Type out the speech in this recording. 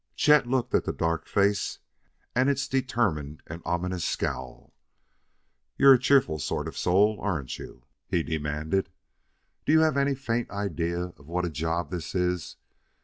Chet looked at the dark face and its determined and ominous scowl. "You're a cheerful sort of soul, aren't you?" he demanded. "Do you have any faint idea of what a job this is?